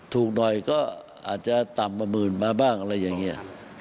ถูกหน่อยก็อาจจะต่ำกว่าหมื่นมาบ้างอะไรอย่างนี้